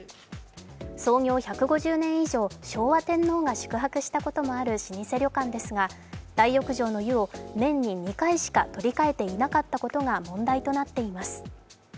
創業１５０年以上昭和天皇も宿泊したこともある老舗旅館ですが、大浴場の湯を年に２回しか取り替えていなかったことが問題となっています。